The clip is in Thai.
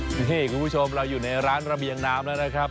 นี่คุณผู้ชมเราอยู่ในร้านระเบียงน้ำแล้วนะครับ